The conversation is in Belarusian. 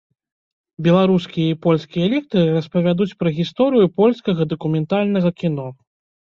Беларускія і польскія лектары распавядуць пра гісторыю польскага дакументальнага кіно.